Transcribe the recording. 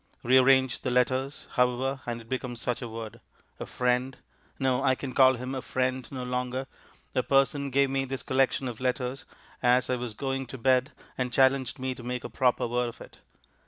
Rearrange the letters, however, and it becomes such a word. A friend no, I can call him a friend no longer a person gave me this collection of letters as I was going to bed and challenged me to make a proper word of it.